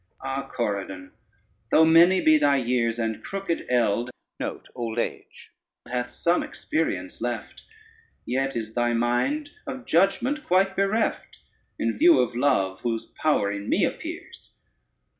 Ah, Corydon, though many be thy years, And crooked elde hath some experience left, Yet is thy mind of judgment quite bereft, In view of love, whose power in me appears.